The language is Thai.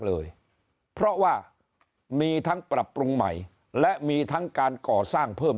เลยเพราะว่ามีทั้งปรับปรุงใหม่และมีทั้งการก่อสร้างเพิ่ม